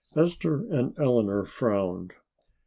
Esther and Eleanor frowned.